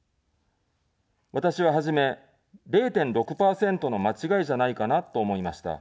私は、初め、０．６％の間違いじゃないかなと思いました。